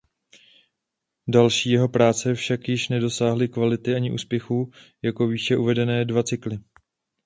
Další jeho práce však již nedosáhly kvality ani úspěchu jako výše uvedené dva cykly.